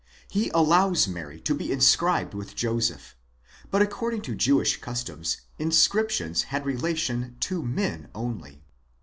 He allows Mary to be inscribed with Joseph, but according to Jewish customs inscriptions had relation to men only.